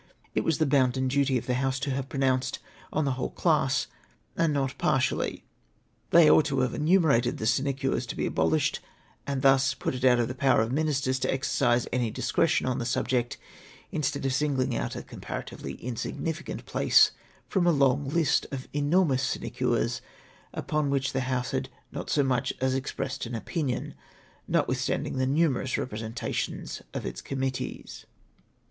It was the bounden duty of the House to have pronounced on the u hole clas.^^ and not par tially. They ought to have enumerated the sinecures to be abohshed, and thus put it out of the power of ministers to exercise any discretion on the subject ; instead of singling out a comparatively insignificant place from a long hst of enormous sinecures, upon which the House had not so much as expressed an R 4 248 AD.AIIRALTY EXPENSES opinion, notwithstanding the niniieroiis representations of its committees.